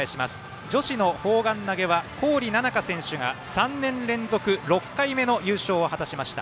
女子の砲丸投げは郡菜々佳選手が３年連続６回目の優勝を果たしました。